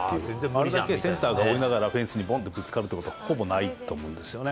あれだけセンターが追いながらフェンスにぼんとぶつかるってこと、ほぼないと思うんですよね。